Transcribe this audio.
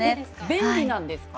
便利なんですか？